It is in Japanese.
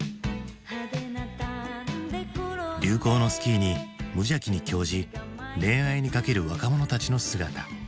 流行のスキーに無邪気に興じ恋愛にかける若者たちの姿。